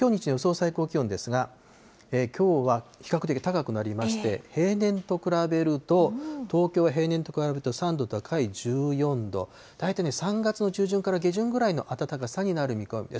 最高気温ですが、きょうは比較的高くなりまして、平年と比べると、東京は平年と比べると３度高い１４度、大体３月の中旬から下旬くらいの暖かさになる見込みです。